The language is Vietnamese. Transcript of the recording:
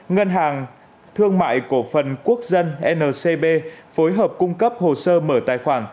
ngân hàng thương mại cổ phần quốc dân ncb phối hợp cung cấp hồ sơ mở tài khoản